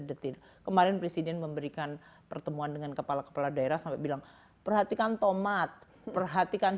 detil kemarin presiden memberikan pertemuan dengan kepala kepala daerah nabi tekan tomat perhatikan